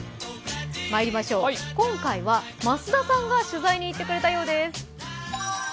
まいりましょう、今回は増田さんが取材に行ってくれたようです。